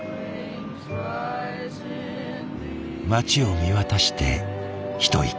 街を見渡して一息。